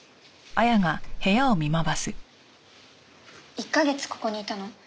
１カ月ここにいたの？